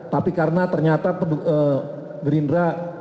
tapi karena ternyata gerindra